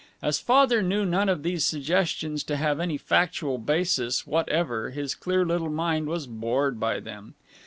As Father knew none of these suggestions to have any factual basis whatever his clear little mind was bored by them.